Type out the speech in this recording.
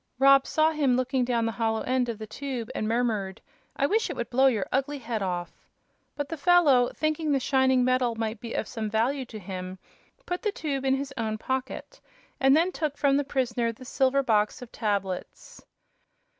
Rob saw him looking down the hollow end of the tube and murmured: "I wish it would blow your ugly head off!" But the fellow, thinking the shining metal might be of some value to him, put the tube in his own pocket and then took from the prisoner the silver box of tablets.